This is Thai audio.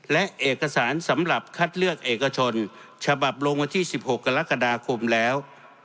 และเอกสารสำหรับคัดเลือกเอกชนฉบับลงวันที่๑๖กรกฎาคมแล้ว